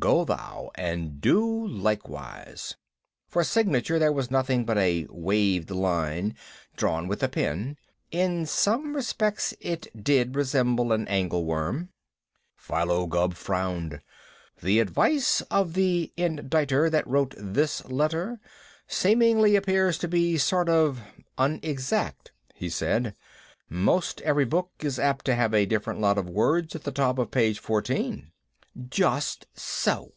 Go thou and do likewise. For signature there was nothing but a waved line, drawn with a pen. In some respects it did resemble an angle worm. Philo Gubb frowned. "The advice of the inditer that wrote this letter seemingly appears to be sort of unexact," he said. "'Most every book is apt to have a different lot of words at the top of page fourteen." "Just so!"